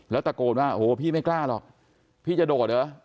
แล้วตะโกนว่าโอ้โหพี่ไม่กล้าหรอกพี่จะโดดเหรอ